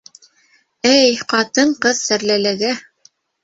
Эй, ҡатын-ҡыҙ серлелеге!